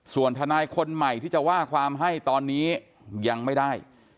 ส่วนทนายคนใหม่ที่จะว่าความให้ตอนนี้ยังไม่ได้